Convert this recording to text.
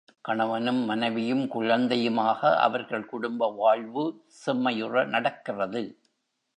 கணவனும் மனைவியும் குழந்தையுமாக அவர்கள் குடும்பவாழ்வு செம்மையுற நடக்கிறது.